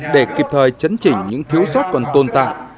để kịp thời chấn chỉnh những thiếu sót còn tồn tại